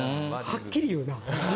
はっきり言うな。